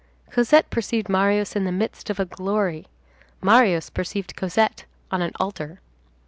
Cosette perceived Marius in the midst of a glory; Marius perceived Cosette on an altar.